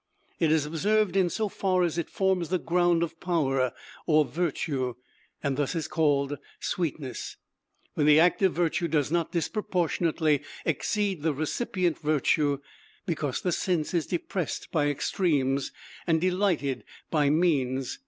It is observed in so far as it forms the ground of power or virtue, and thus is called sweetness, when the active virtue does not disproportionally exceed the recipient virtue, because the sense is depressed by extremes, and delighted by means.